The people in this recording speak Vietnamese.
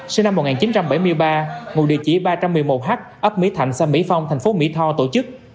sinh năm một nghìn chín trăm bảy mươi ba ngụ địa chỉ ba trăm một mươi một h ấp mỹ thạnh xã mỹ phong thành phố mỹ tho tổ chức